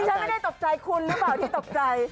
ฉันไม่ได้ตกใจคุณหรือเปล่าที่ตกใจ